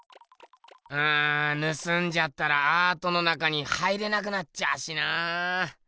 うんぬすんじゃったらアートの中に入れなくなっちゃうしなあ。